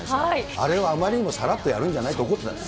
あれをあまりにもさらっとやるんじゃないと怒ってたの。